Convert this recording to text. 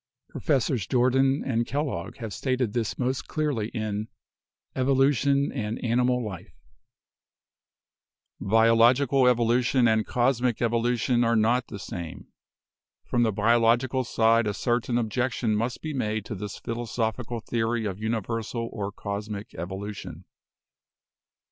Professors Jordan and Kellogg have stated this most clearly in 'Evolution and Animal Life' : "Biological evolution and cosmic evolution are not the same. From the biological side a certain objection must be made to this philosophical theory of universal or cosmic evolution.